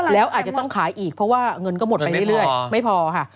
แล้วอาจจะต้องขายอีกเพราะว่าเงินก็หมดไปเรื่อยไม่พอค่ะ